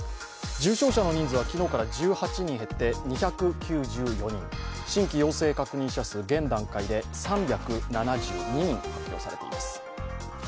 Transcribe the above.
重症者の人数は昨日から１８人減って２９４人、新規陽性確認者数、現段階で３７２人発表されています。